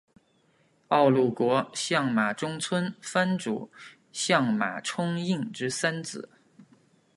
陆奥国相马中村藩主相马充胤之三子。